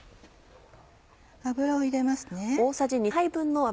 油を入れますね。